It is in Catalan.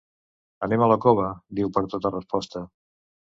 Anem a la Cova —diu per tota resposta.